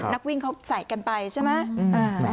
นักวิ่งเขาใส่กันไปใช่ไหม